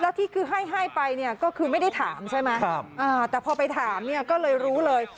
แล้วที่คือให้ให้ไปเนี่ยก็คือไม่ได้ถามใช่ไหมแต่พอไปถามเนี่ยก็เลยรู้เลย